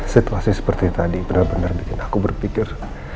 situasi seperti tadi bener bener bikin aku berpikir